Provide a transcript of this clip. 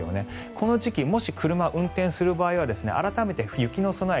この時期もし車を運転する場合は改めて雪の備え